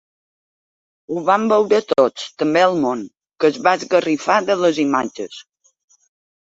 Ho van veure tots, també el món, que es va esgarrifar de les imatges.